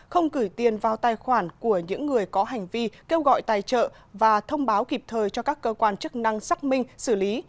không cử tiền vào tài khoản của những người có hành vi kêu gọi tài trợ và thông báo kịp thời cho các cơ quan chức năng xác minh xử lý